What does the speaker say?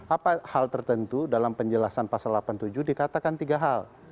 apa hal tertentu dalam penjelasan pasal delapan puluh tujuh dikatakan tiga hal